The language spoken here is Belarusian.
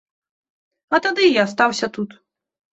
А тады і астаўся тут.